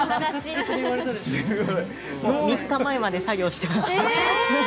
３日前まで作業してました。